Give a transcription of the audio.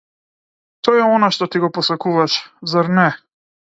Тоа е она што ти го посакуваше, зар не?